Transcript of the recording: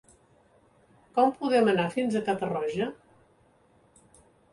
Com podem anar fins a Catarroja?